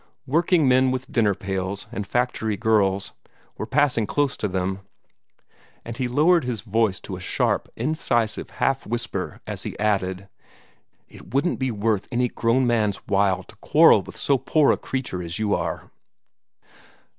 Working men with dinner pails, and factory girls, were passing close to them, and he lowered his voice to a sharp, incisive half whisper as he added, "It wouldn't be worth any grown man's while to quarrel with so poor a creature as you are."